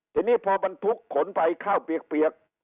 ทีนี้พอบรรทุกขนไปข้าวเปียก